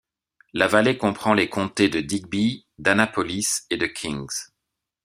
La vallée comprend les comtés de Digby, d'Annapolis et de Kings.